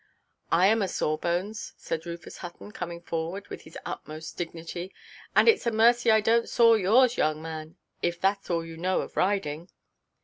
"I am a sawbones," said Rufus Hutton, coming forward with his utmost dignity; "and itʼs a mercy I donʼt saw yours, young man, if thatʼs all you know of riding."